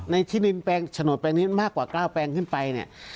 ในที่ดินแปลงโบชัวร์แปลงนี้มากกว่าก้าวแปลงขึ้นไป